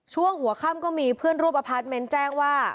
ช่วงหัวค่ำก็มีเพื่อนร่วมอพาร์ทเมนต์แจ้งว่า